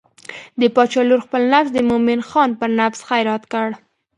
د باچا لور خپل نفس د مومن خان پر نفس خیرات کړ.